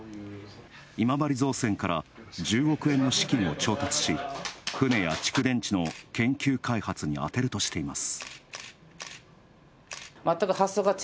今治造船から１０億円の資金を調達し船や蓄電池の研究開発に充てるとしています。